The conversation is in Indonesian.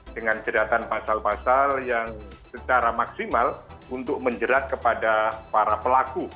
dengan jeratan pasal pasal yang secara maksimal untuk menjerat kepada para pelaku